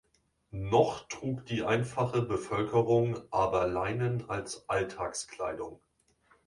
Noch trug die einfache Bevölkerung aber Leinen als Alltagskleidung.